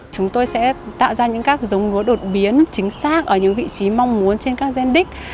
chúng tôi sẽ tạo ra những các giống lúa đột biến chính xác ở những vị trí mong muốn trên các gen đích